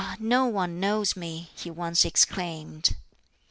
no one knows me!" he once exclaimed.